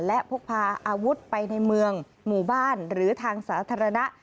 และพกพาอาวุธไปในเมืองหมู่บ้านหรือทางสาธารณะ